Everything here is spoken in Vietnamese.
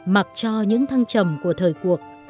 mặc cho những thăng trầm của thời cuộc